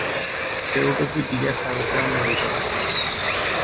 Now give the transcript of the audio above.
به او بگو دیگر سر به سرم نگذارد!